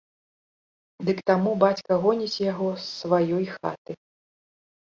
Ды к таму бацька гоніць яго з сваёй хаты.